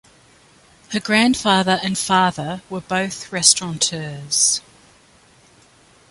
Her grandfather and father were both restaurateurs.